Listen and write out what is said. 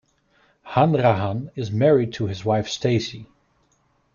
Hanrahan is married to his wife Stacey.